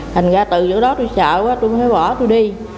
thành ra từ chỗ đó tôi sợ tôi mới bỏ tôi đi